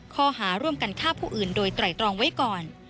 ข้อหาร่วมกันฆ่าผู้อื่นโดยไตรตรองไว้ก่อน